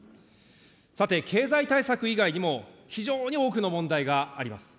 さて、経済対策以外にも、非常に多くの問題があります。